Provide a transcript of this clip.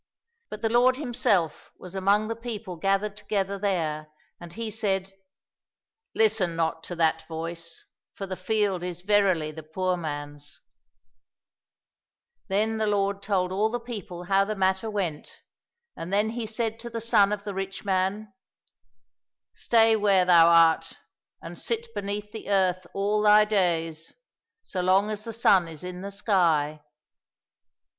But the Lord Himself was among the people gathered together there, and He said, " Listen not to that voice, for the field is verily the poor man's." 207 COSSACK FAIRY TALES Then the Lord told all the people how the matter went, and then He said to the son of the rich man, " Stay where thou art, and sit beneath the earth all thy days, so long as the sun is in the sky."